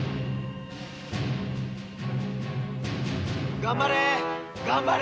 頑張れ頑張れ！